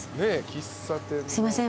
すいません。